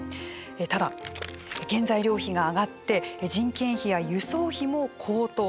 ただ原材料費が上がって人件費や輸送費も高騰。